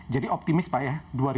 jadi optimis pak ya